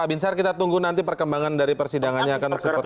pak binsar kita tunggu nanti perkembangan dari persidangannya akan seperti apa